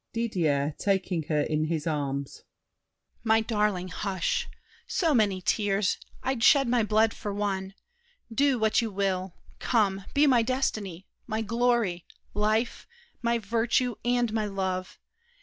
DIDIER (taking her in his arms). My darling, hush! So many tears! I'd shed my blood for one. Do what you will! Come, be my destiny, My glory, life, my virtue, and my love!